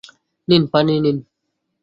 নিন, পানি নিন।